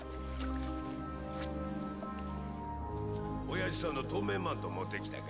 親父さんの透明マント持ってきたか？